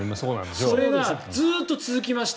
それがずっと続きました。